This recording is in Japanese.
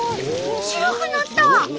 白くなった！